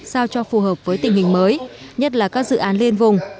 sao cho phù hợp với tình hình mới nhất là các dự án liên vùng